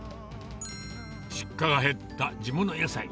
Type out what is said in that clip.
出荷が減った地物野菜。